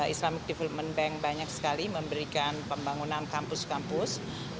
islamic development bank banyak sekali memberikan pembangunan kampus kampus